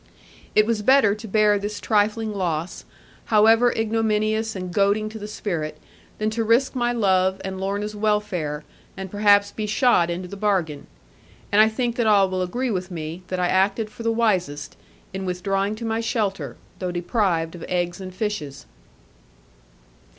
It was better to bear this trifling loss, however ignominious and goading to the spirit, than to risk my love and Lorna's welfare, and perhaps be shot into the bargain. And I think that all will agree with me, that I acted for the wisest, in withdrawing to my shelter, though deprived of eggs and fishes.